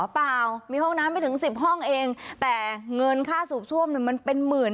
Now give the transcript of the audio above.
เปล่ามีห้องน้ำไม่ถึงสิบห้องเองแต่เงินค่าสูบซ่วมเนี่ยมันเป็นหมื่น